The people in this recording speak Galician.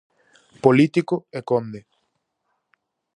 Político e conde.